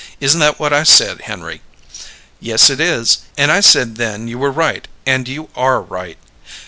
Isn't that what I said, Henry?" "Yes, it is; and I said then you were right, and you are right!"